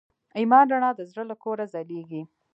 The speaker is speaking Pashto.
د ایمان رڼا د زړه له کوره ځلېږي.